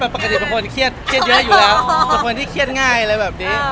ปกติเป็นคนเครียดเยอะอยู่แล้วเป็นคนที่เครียดง่ายอะไรแบบนี้